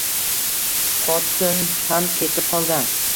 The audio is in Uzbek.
Xotin ham ketib qolgan